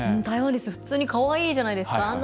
タイワンリス普通に、かわいいじゃないですか。